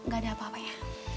gak ada apa apanya